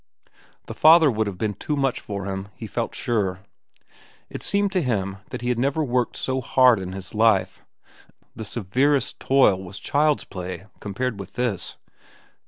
The father would have been too much for him, he felt sure. It seemed to him that he had never worked so hard in his life. The severest toil was child's play compared with this.